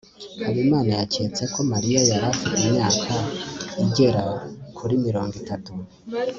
habimana yaketse ko mariya yari afite imyaka igera kuri mirongo itatu